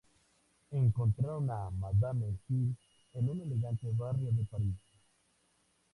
Encontraron a "Madame" Gil en un elegante barrio de París.